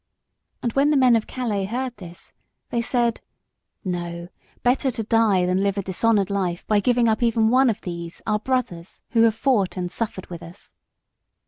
And when the men of Calais heard this, they said: "No; better to die than live a dishonoured life by giving up even one of these our brothers who have fought and suffered with us."